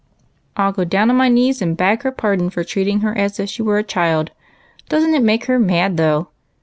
" I '11 go down on my knees and beg her pardon for treating her as if she was a child. Don't it make her mad, though?